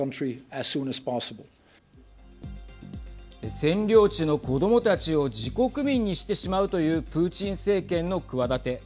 占領地の子どもたちを自国民にしてしまうというプーチン政権の企て。